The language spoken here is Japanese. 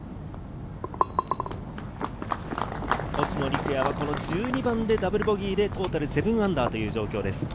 星野陸也は１２番でダブルボギーでトータルー７という状況です。